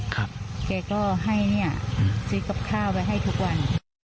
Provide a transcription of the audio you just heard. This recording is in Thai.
ครับแกก็ให้ซื้อกับข้าวไปให้ทุกวัน